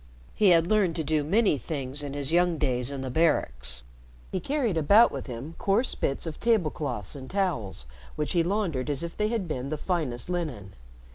He had learned to do many things in his young days in barracks. He carried about with him coarse bits of table cloths and towels, which he laundered as if they had been the finest linen.